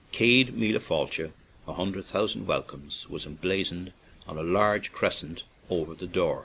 Cead Mille Failthe (a hun dred thousand welcomes) was emblazon ed on a large crescent over the door.